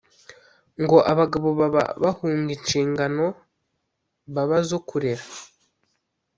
ngo abagabo baba bahunga inshingano baba zo kurera